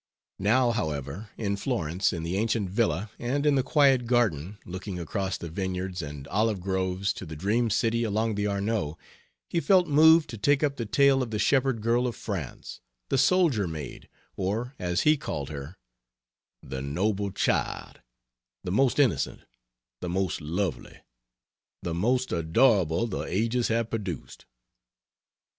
Now, however, in Florence, in the ancient villa, and in the quiet garden, looking across the vineyards and olive groves to the dream city along the Arno, he felt moved to take up the tale of the shepherd girl of France, the soldier maid, or, as he called her, "The noble child, the most innocent, the most lovely, the most adorable the ages have produced."